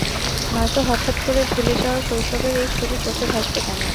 নয়তো হঠাৎ করে ভুলে-যাওয়া শৈশবের এই ছবি চোখে ভাসবে কেন?